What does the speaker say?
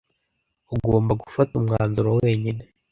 Ugomba gufata umwanzuro wenyine.